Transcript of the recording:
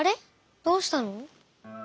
どうしたの？